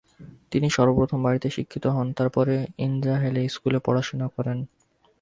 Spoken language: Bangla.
তিনি সর্বপ্রথম বাড়িতে শিক্ষিত হন, তারপর তিনি এনজাহেলে স্কুলে পড়াশোনা করেন।